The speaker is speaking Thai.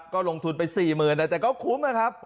ก็ลงทุนไป๔๐๐๐แต่ก็คุ้มนะครับ